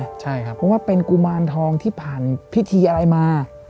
เพราะว่าเป็นกุมารทองที่ผ่านพิธีอะไรมา